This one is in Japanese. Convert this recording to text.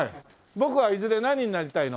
ボクはいずれ何になりたいの？